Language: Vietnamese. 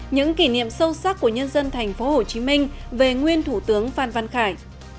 những kỷ niệm sâu sắc của nhân dân tp hcm về nguyên thủ tướng phan văn khải